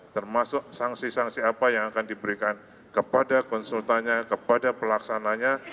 termasuk sanksi sanksi apa yang akan diberikan kepada konsultannya kepada pelaksananya